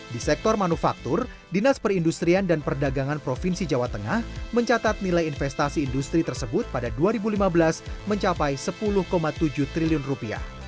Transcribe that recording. di sektor manufaktur dinas perindustrian dan perdagangan provinsi jawa tengah mencatat nilai investasi industri tersebut pada dua ribu lima belas mencapai sepuluh tujuh triliun rupiah